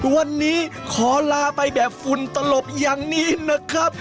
วันนี้ขอลาไปแบบฝุ่นตลบอย่างนี้นะครับ